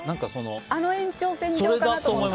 あの延長線上かなと思って。